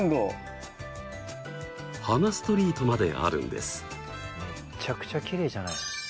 花ストリートまであるんです。